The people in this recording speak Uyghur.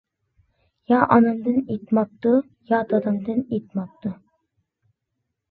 يا ئانامدىن ئېيتماپتۇ، يا دادامدىن ئېيتماپتۇ.